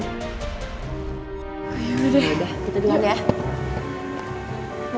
gue udah duluan ya